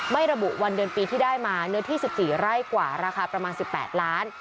ไม่ระบุวันเดือนปีที่ได้มาเนื้อที่๑๔ไร่กว่าราคาประมาณ๑๘ล้าน